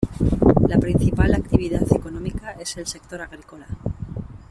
La principal actividad económica es el sector agrícola.